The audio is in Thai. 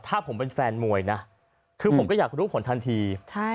ถ้าผมเป็นแฟนมวยนะคือผมก็อยากรู้ผลทันที